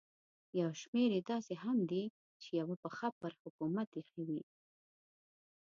یو شمېر یې داسې هم دي چې یوه پښه پر حکومت ایښې وي.